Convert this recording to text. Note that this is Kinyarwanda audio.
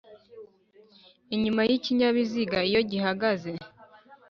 inyuma y'ikinyabiziga, iyo gihagaze.